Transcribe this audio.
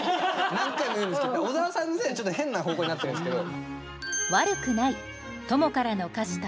何回も言うんですけど小沢さんのせいでちょっと変な方向になってるんですけど。